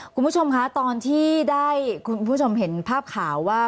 คุณผู้ชมคะตอนที่ได้คุณผู้ชมเห็นภาพข่าวว่า